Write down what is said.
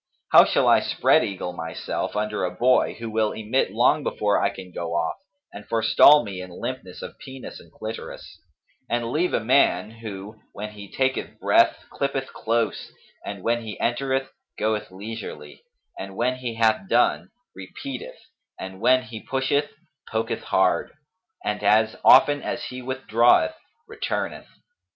How shall I spread eagle myself under a boy, who will emit long before I can go off and forestall me in limpness of penis and clitoris; and leave a man who, when he taketh breath clippeth close and when he entereth goeth leisurely, and when he hath done, repeateth, and when he pusheth poketh hard, and as often as he withdraweth, returneth?'